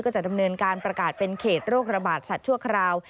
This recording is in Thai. จะดำเนินการประกาศเป็นเขตโรคระบาดสัตว์ชั่วคราว